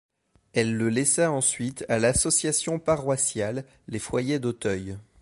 Elle le laissa ensuite à l'association paroissiale les Foyers d'Auteuil.